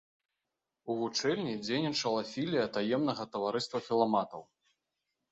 У вучэльні дзейнічала філія таемнага таварыства філаматаў.